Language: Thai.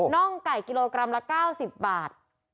่องไก่กิโลกรัมละ๙๐บาท